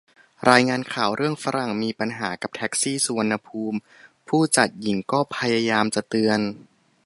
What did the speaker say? รายงานข่าวเรื่องฝรั่งมีปัญหากับแท็กซี่สุวรรณภูมิ ผู้จัดหญิงก็พยายามจะเตือน